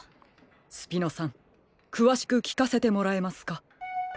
スピノさんくわしくきかせてもらえますか？